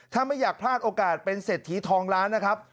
ถ้าไม่อยากพลาดโอกาสเป็นเศรษฐีทองล้านนะครับ